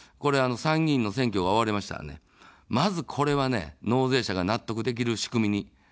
参議院の選挙が終わりましたら、まず、これは納税者が納得できる仕組みに変えていく。